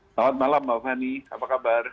selamat malam mbak fani apa kabar